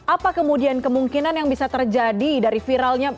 apa kemudian kemungkinan yang bisa terjadi dari viralnya